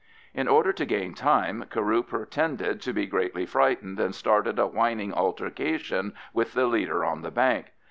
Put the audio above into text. In order to gain time Carew pretended to be greatly frightened, and started a whining altercation with the leader on the bank.